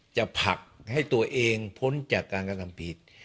ผลักให้ตัวเองพ้นจากการกระทำผิด